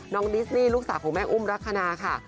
ดิสนี่ลูกสาวของแม่อุ้มลักษณะค่ะ